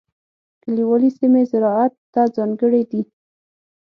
کلیوالي سیمې زراعت ته ځانګړې دي.